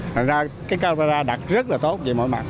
thành ra cái camera đặt rất là tốt về mọi mặt